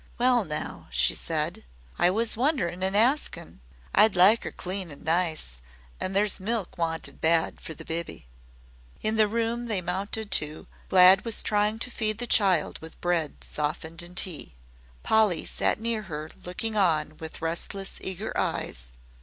"Well, now," she said, "I WAS wonderin' an' askin'. I'd like 'er clean an' nice, an' there's milk wanted bad for the biby." In the room they mounted to Glad was trying to feed the child with bread softened in tea. Polly sat near her looking on with restless, eager eyes.